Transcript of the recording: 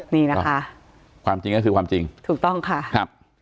นี่นะคะความจริงก็คือความจริงถูกต้องค่ะครับ